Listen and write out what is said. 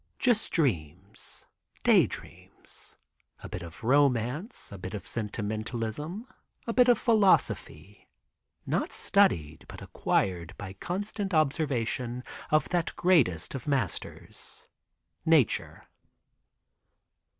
Just dreams — Dap Dreams — a bit of romance, a bit of sentimentalism, a bit of philosophy, not studied, but acquired by constant observation of that great est of masters! ... Nature!